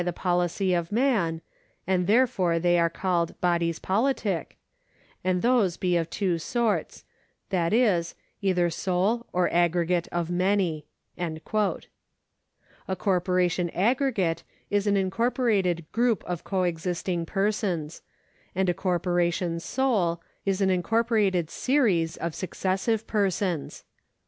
2. a. 282 PERSONS [§ 114 policy of man (and therefore they are called bodies politique) ; and those be of two sorts, viz., either sole, or aggregate of many." A corporation aggregate is an incorporated group of co existing persons, and a corporation sole is an incorporated series of successive persons.